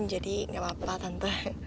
jadi gak apa apa tante